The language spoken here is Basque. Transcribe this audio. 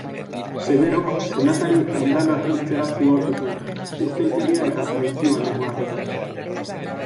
Severok senatari andana hiltzera zigortu zuen, ustelkeria eta traizioa leporatuta.